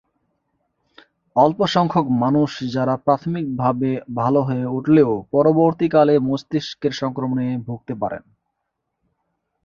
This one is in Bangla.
অল্পসংখ্যক মানুষ যারা প্রাথমিকভাবে ভালো হয়ে উঠলেও পরবর্তীকালে মস্তিষ্কের সংক্রমণে ভুগতে পারেন।